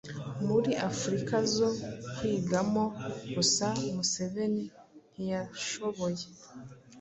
muri Afurika zo kwigamo gusa Museveni ntiyashoboye